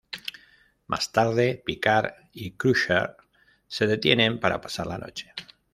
Más tarde, Picard y Crusher se detienen para pasar la noche.